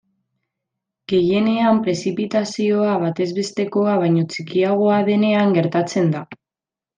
Gehienean prezipitazioa batezbestekoa baino txikiagoa denean gertatzen da.